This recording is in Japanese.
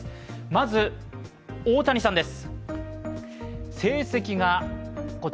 まず大谷さんです。